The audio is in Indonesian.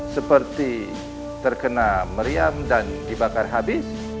seperti terkena meriam dan dibakar habis